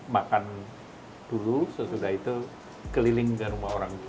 makan dulu sesudah itu keliling ke rumah orang tua